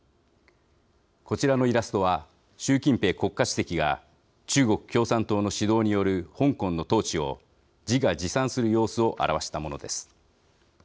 こちらのイラストは習近平国家主席が中国共産党の指導による香港の統治を自画自賛する様子を表したものです。